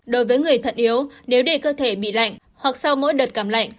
đối với người thận yếu nếu đề cơ thể bị lạnh hoặc sau mỗi đợt cảm lạnh